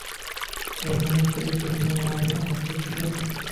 এখানে শুধু তুমি আর আমি আছি, ঠিক আছে?